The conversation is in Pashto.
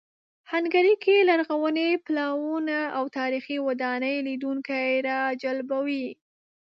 هنګري کې لرغوني پلونه او تاریخي ودانۍ لیدونکي راجلبوي.